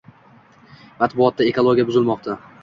Matbuotda: “Ekologiya buzilmoqda.